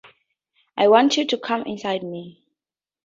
I want you to cum inside me!